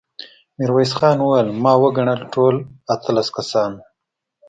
ميرويس خان وويل: ما وګڼل، ټول اتلس کسان وو.